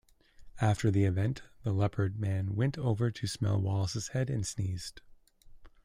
After the event, the Leopard Man went over to smell Wallace's head and sneezed.